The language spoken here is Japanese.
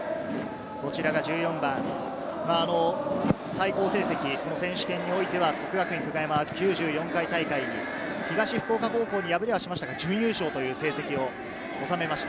１４番、最高成績、選手権においては國學院久我山は９４回大会に東福岡高校に敗れはしましたが準優勝という成績を収めました。